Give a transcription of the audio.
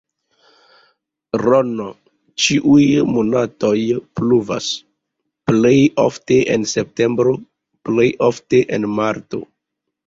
Rn ĉiuj monatoj pluvas, plej ofte en septembro, plej malofte en marto.